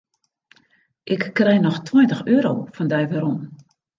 Ik krij noch tweintich euro fan dy werom.